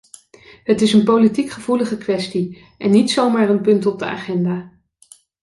Het is een politiek gevoelige kwestie en niet zomaar een punt op de agenda.